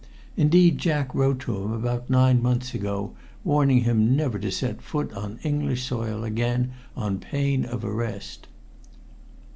Indeed, Jack wrote to him about nine months ago warning him never to set foot on English soil again on pain of arrest.